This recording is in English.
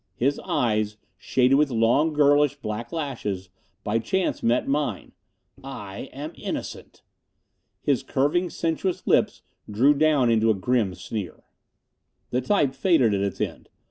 His eyes, shaded with long, girlish black lashes, by chance met mine. "I am innocent." His curving sensuous lips drew down into a grim sneer.... The type faded at its end.